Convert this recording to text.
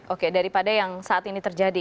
oke daripada yang saat ini terjadi